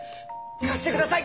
貸してください！